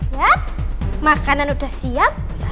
yap makanan udah siap